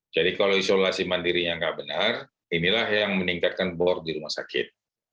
jadi kalau isolasi mandirinya nggak benar inilah yang meningkatkan bor di rumah sakit